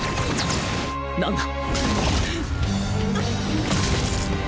何だ！？